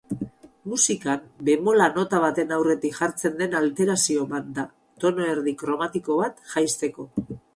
Musikan, bemola nota baten aurretik jartzen den alterazio bat da, tonoerdi kromatiko bat jaisteko.